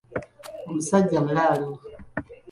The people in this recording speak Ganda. Omusajja mulaalo.